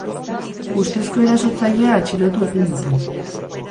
Ustezko erasotzailea atxilotu egin dute.